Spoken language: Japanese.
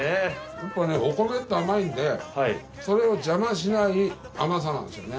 ホントねお米って甘いんでそれを邪魔しない甘さなんですよね。